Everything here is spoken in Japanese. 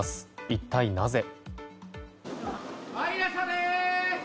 一体なぜ。